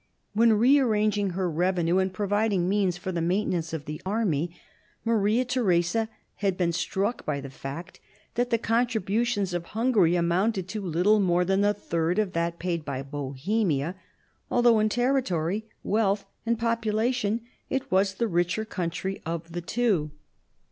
When rearranging her revenue and providing means for the maintenance of the army, Maria Theresa had been struck by the fact that the contribution of Hungary amounted to little more than a third of that paid by Bohemia, although in territory, wealth and population it was the richer country of the two.